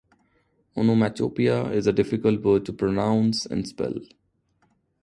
Onomatopoeia is a difficult word to pronounce and spell